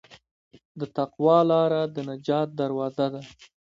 د تقوی لاره د نجات دروازه ده.